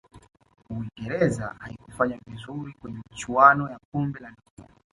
uingereza haikufanya vizuri kwenye michuano ya kombe la dunia